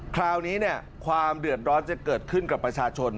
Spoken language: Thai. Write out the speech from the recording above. คราวนี้ความเดือดร้อนจะเกิดขึ้นกับประชาชน